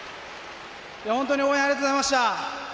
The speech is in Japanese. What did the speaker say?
本当に応援ありがとうございました！